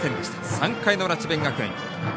３回の裏、智弁学園。